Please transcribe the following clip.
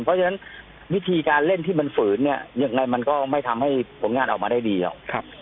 เพราะฉะนั้นวิธีการเล่นที่มันฝืนเนี่ยยังไงมันก็ไม่ทำให้ผลงานออกมาได้ดีหรอก